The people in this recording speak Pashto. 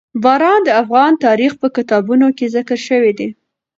باران د افغان تاریخ په کتابونو کې ذکر شوي دي.